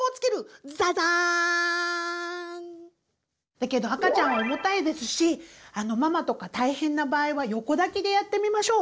だけど赤ちゃん重たいですしママとか大変な場合は横抱きでやってみましょう。